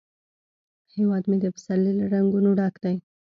هیواد مې د پسرلي له رنګونو ډک دی